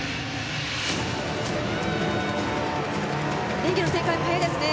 演技の展開も早いですね。